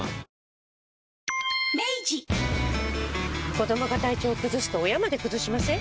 子どもが体調崩すと親まで崩しません？